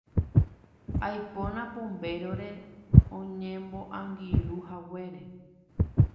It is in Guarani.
Aipóna Pombérore oñemoangirũhaguére.